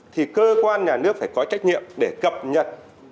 thì cơ quan nhà nước phải có trách nhiệm để cập nhật